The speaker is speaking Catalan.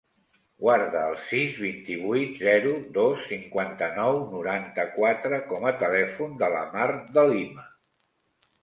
Guarda el sis, vint-i-vuit, zero, dos, cinquanta-nou, noranta-quatre com a telèfon de la Mar De Lima.